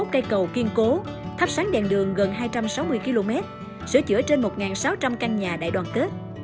chín mươi một cây cầu kiên cố tháp sáng đèn đường gần hai trăm sáu mươi km sửa chữa trên một sáu trăm linh căn nhà đại đoàn kết